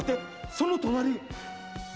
「その隣」